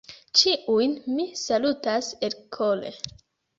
Ĉiujn mi salutas elkore.